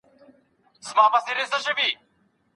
تېر وخت یو درس دی.